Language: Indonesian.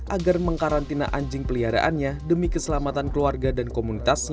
agar mengkarantina anjing peliharaannya demi keselamatan keluarga dan komunitasnya